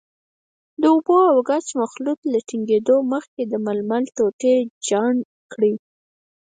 د اوبو او ګچ مخلوط له ټینګېدو مخکې له ململ ټوټې چاڼ کړئ.